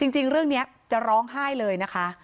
จริงเรื่องนี้จะร้องไห้เลยนะคะ